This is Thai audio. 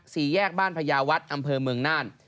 สี่แยกบ้านพญาวัฒน์อำเภอเมืองน่าน